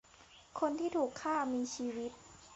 คนที่ถูกฆ่ามีชีวิต